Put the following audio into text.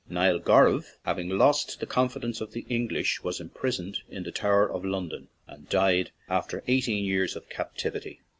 Niall Garbh, having lost the confidence of the English, was im prisoned in the Tower of London, and died after eighteen years of captivity.